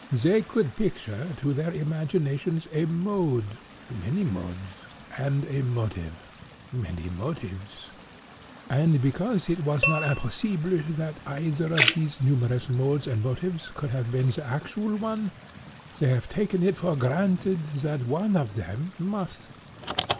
They could picture to their imaginations a mode—many modes—and a motive—many motives; and because it was not impossible that either of these numerous modes and motives could have been the actual one, they have taken it for granted that one of them must.